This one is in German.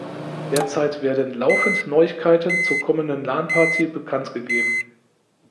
Derzeit werden laufend Neuigkeiten zur kommenden Lan-Party bekannt gegeben.